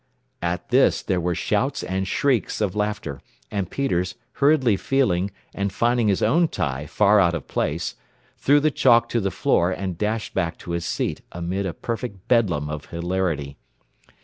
At this there were shouts and shrieks of laughter, and Peters, hurriedly feeling, and finding his own tie far out of place, threw the chalk to the floor and dashed back to his seat amid a perfect bedlam of hilarity.